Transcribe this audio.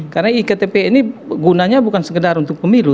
karena ektp ini gunanya bukan sekedar untuk pemilu